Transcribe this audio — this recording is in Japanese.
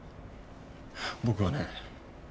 僕はね